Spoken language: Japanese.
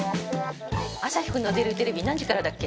アサヒくんの出るテレビ何時からだっけ？